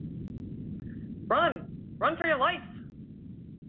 Run - run for your life!